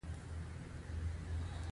ځوان شېرګل ته د سيرلي مننه وکړه.